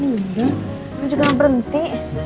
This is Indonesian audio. kamu juga gak berhenti